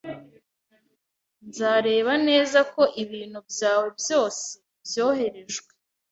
Nzareba neza ko ibintu byawe byose byoherejwe